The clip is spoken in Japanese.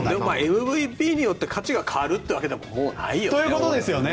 ＭＶＰによって価値が変わるというわけでももうないよね。ということですよね。